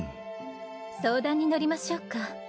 相談に乗りましょうか？